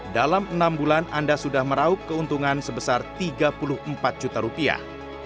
dalam enam bulan anda sudah meraup keuntungan sebesar tiga puluh empat juta rupiah